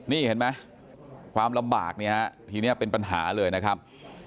นี่เห็นไหมความลำบากเนี่ยฮะทีนี้เป็นปัญหาเลยนะครับ